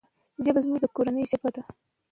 ژبه زموږ د کورنی ژبه ده.